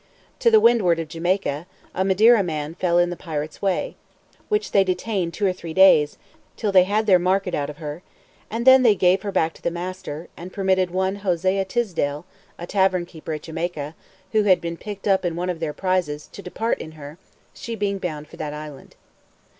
To the windward of Jamaica, a Madeira man fell into the pirate's way, which they detained two or three days, till they had their market out of her, and then they gave her back to the master, and permitted one Hosea Tidsel, a tavern keeper at Jamaica, who had been picked up in one of their prizes, to depart in her, she being bound for that island.